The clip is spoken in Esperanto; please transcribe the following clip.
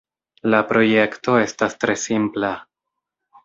La projekto estas tre simpla.